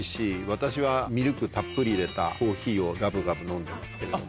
私はミルクたっぷり入れたコーヒーをがぶがぶ飲んでますけども。